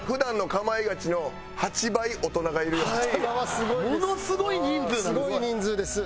すごい人数です。